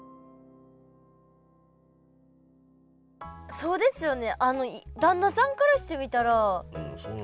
そうですよね。